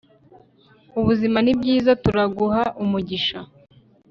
Ubuzima nibyiza turaguha umugisha